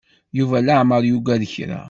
Yuba leɛmer yuggad kra.